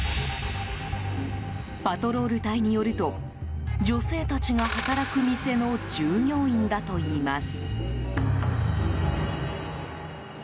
パトロール隊によると女性たちが働く店の従業員だといいます。